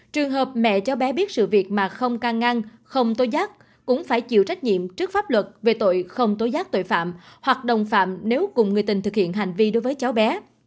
trường hợp mẹ cháu bé biết sự việc mà không can ngăn không tố giác cũng phải chịu trách nhiệm trước pháp luật về tội không tố giác tội phạm hoặc đồng phạm nếu cùng người tình thực hiện hành vi đối với cháu bé